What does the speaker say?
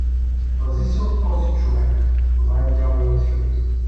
Пази се от този човек — това е дяволът Фют!